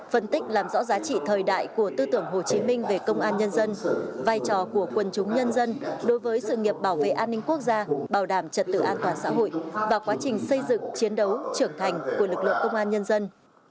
phân tích làm rõ giá trị thời đại của tư tưởng hồ chí minh về công an nhân dân vai trò của quần chúng nhân dân đối với sự nghiệp bảo vệ an ninh quốc gia bảo đảm trật tự an toàn xã hội và quá trình xây dựng chiến đấu trưởng thành của lực lượng công an nhân dân